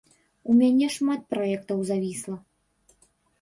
У мяне шмат праектаў завісла.